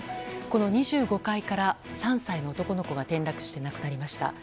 この２５階から３歳の男の子が転落して亡くなりました。